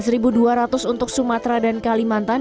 rp sebelas dua ratus untuk sumatera dan kalimantan